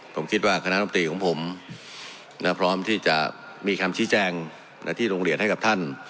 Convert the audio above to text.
ผมคิดว่าคณะรำตีของผมพร้อมที่จะมีคำชี้แจงที่โรงเรียนให้กับท่าน